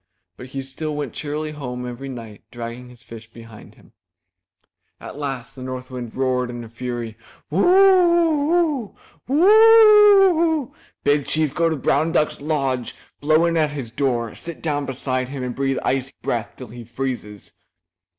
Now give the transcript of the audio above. So he still went cheerily home every night dragging his fish behind him. At last the North Wind roared in a fury! *'Woo oo oo! Woo oo oo! Big Chief go to brown duck's lodge, blow in at his door, sit down beside him, and breathe icy breath till he freezes."